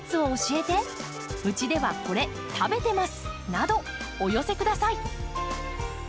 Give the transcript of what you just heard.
などお寄せください。